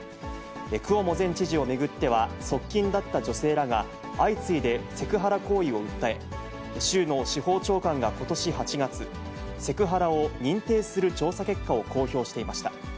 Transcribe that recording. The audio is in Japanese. クオモ前知事を巡っては、側近だった女性らが、相次いでセクハラ行為を訴え、州の司法長官がことし８月、セクハラを認定する調査結果を公表していました。